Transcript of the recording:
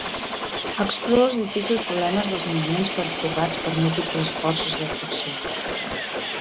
Explora els difícils problemes dels moviments pertorbats per múltiples forces d'atracció.